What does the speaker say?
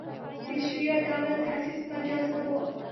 د شیعه دولت تاسیس مجاز نه وو.